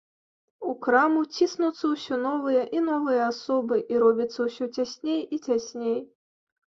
У краму ціснуцца ўсё новыя і новыя асобы, і робіцца ўсё цясней і цясней.